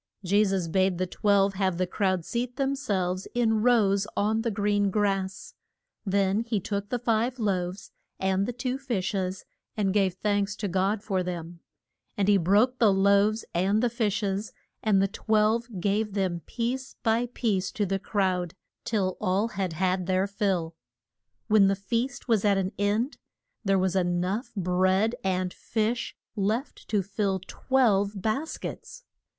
Je sus bade the twelve have the crowd seat them selves in rows on the green grass. Then he took the five loaves and the two fish es, and gave thanks to God for them. And he broke the loaves, and the fish es, and the twelve gave them piece by piece to the crowd, till all had had their fill. When the feast was at an end there was e nough bread and fish left to fill twelve bas kets.